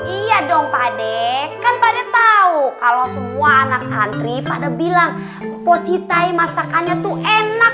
iya dong pak ade kan pada tahu kalau semua anak santri pada bilang positai masakannya tuh enak